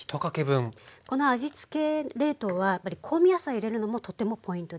この味つけ冷凍はやっぱり香味野菜入れるのもとってもポイントです。